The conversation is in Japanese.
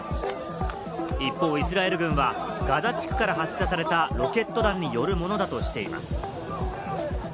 一方、イスラエル軍はガザ地区から発射されたロケット弾によるものだとしています。